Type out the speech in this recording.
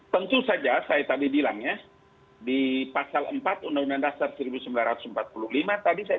tentu saja saya tadi bilang ya di pasal empat undang undang dasar seribu sembilan ratus empat puluh lima tadi saya